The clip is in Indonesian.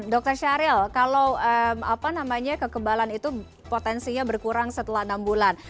dr syariel kalau apa namanya kekembalan itu potensinya berkurang setelah enam bulan